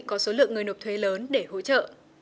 có số lượng người nộp thuế lớn để hỗ trợ